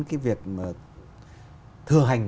cái việc thừa hành